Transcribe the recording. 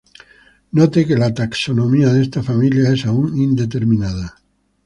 Note que la taxonomía de esta familia es aún indeterminada.